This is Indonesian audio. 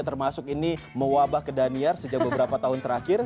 termasuk ini mewabah ke daniar sejak beberapa tahun terakhir